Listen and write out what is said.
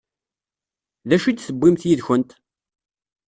D acu i d-tewwimt yid-kent?